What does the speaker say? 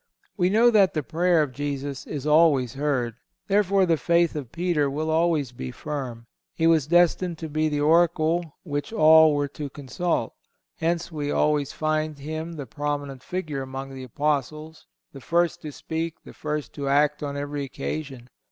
We know that the prayer of Jesus is always heard. Therefore the faith of Peter will always be firm. He was destined to be the oracle which all were to consult. Hence we always find him the prominent figure among the Apostles, the first to speak, the first to act on every occasion.